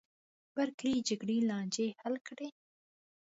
بر کلي جرګې لانجې حل کړې.